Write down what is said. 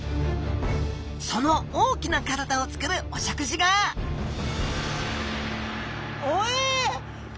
その大きな体をつくるお食事がおえ？